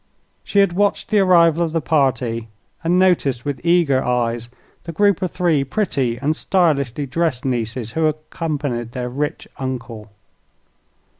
She had watched the arrival of the party and noticed with eager eyes the group of three pretty and stylishly dressed nieces who accompanied their rich uncle.